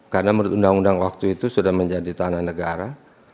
karena menurut undang undang waktu itu sudah menjadi tanah negara